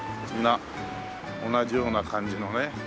みんな同じような感じのね。